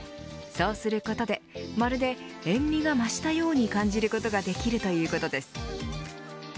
そうすることで、まるで塩味が増したように感じることができるということです。